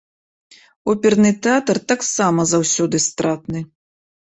Оперны тэатр таксама заўсёды стратны.